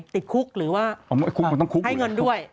ติดคุกหรือว่าให้เงินด้วย